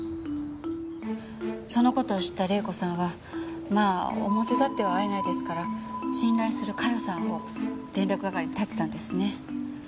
その事を知った玲子さんはまあ表立っては会えないですから信頼する加代さんを連絡係に立てたんですね。